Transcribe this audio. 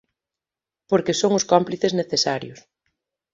Porque son os cómplices necesarios.